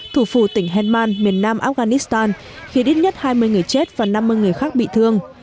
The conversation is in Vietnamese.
thủ phủ tỉnh helman miền nam afghanistan khiến ít nhất hai mươi người chết và năm mươi người khác bị thương